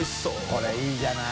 海いいじゃない。